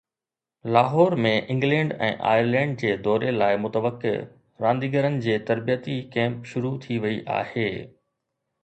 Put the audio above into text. Lahore ۾ England ۽ Ireland جي دوري لاءِ متوقع رانديگرن جي تربيتي ڪيمپ شروع ٿي وئي آهي